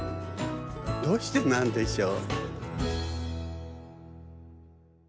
どうしてなんでしょう？